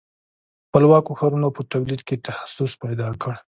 خپلواکو ښارونو په تولید کې تخصص پیدا کړ.